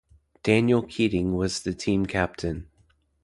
Daniel Keating was the team captain.